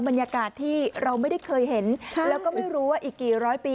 บรรยากาศที่เราไม่ได้เคยเห็นแล้วก็ไม่รู้ว่าอีกกี่ร้อยปี